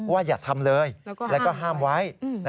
อย่าทำเลยแล้วก็ห้ามไว้